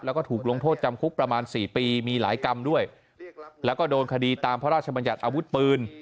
แล้วก็ถูกลงโทษจำคุกประมาณ๔ปีมีหลายกรรมด้วยแล้วก็โดนคดีตามพระราชบัญญัติอาวุธปืน